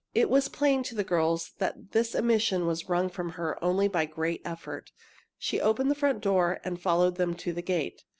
It was plain to the girls that this admission was wrung from her only by a great effort. She opened the front door and followed them to the gate.